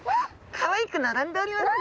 かわいく並んでおりますね。